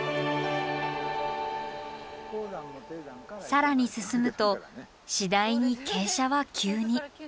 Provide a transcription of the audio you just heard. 更に進むと次第に傾斜は急に。